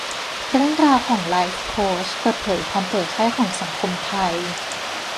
เรื่องราวของไลฟ์โค้ชเปิดเผยความป่วยไข้ของสังคมไทย